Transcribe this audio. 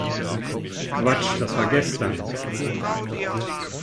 Quatsch, das war gestern!